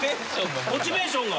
モチベーションが。